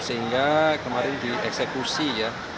sehingga kemarin di eksekusi ya